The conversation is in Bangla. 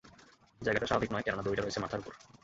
জায়গাটা স্বাভাবিক নয় কেননা দড়িটা রয়েছে মাথার উপর।